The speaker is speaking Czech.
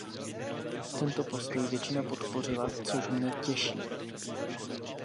Tento postoj většina podpořila, což mne těší.